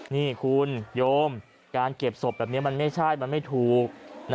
นี่คุณโยมการเก็บศพแบบนี้มันไม่ใช่มันไม่ถูก